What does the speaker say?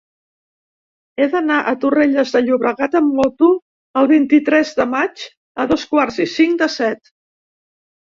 He d'anar a Torrelles de Llobregat amb moto el vint-i-tres de maig a dos quarts i cinc de set.